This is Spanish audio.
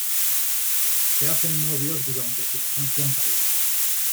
Se hacen novios durante su estancia en París.